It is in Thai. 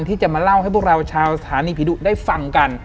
ที่จะมาเล่าให้พวกเราชาวสถานีผีดุได้ฟังกัน